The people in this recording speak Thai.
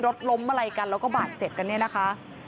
รถล้มอะไรกันแล้วก็บาดเจ็บกันเนี่ยนะคะ